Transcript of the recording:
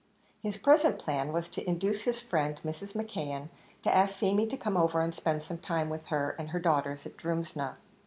His present plan was to induce his friend, Mrs. McKeon, to ask Feemy to come over and spend some time with her and her daughters at Drumsna.